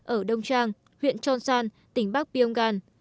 ở đông trang huyện chon san tỉnh bắc pyongyang